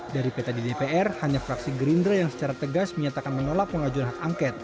dari peta di dpr hanya fraksi gerindra yang secara tegas menyatakan menolak pengajuan hak angket